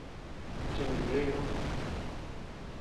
Chindiyad ú.